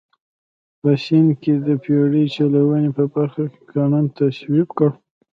په سیند کې د بېړۍ چلونې په برخه کې قانون تصویب کړ.